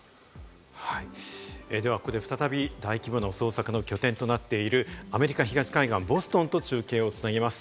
ではここで再び大規模な捜索の拠点となっているアメリカ東海岸ボストンと中継を繋ぎます。